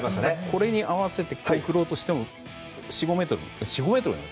これに合わせて振ろうとしても、４５ｍ？